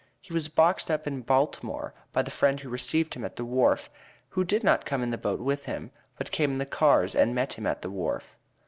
He was boxed up in Baltimore by the friend who received him at the wharf, who did not come in the boat with him, but came in the cars and met him at the wharf.